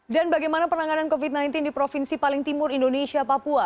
dan bagaimana penanganan covid sembilan belas di provinsi paling timur indonesia papua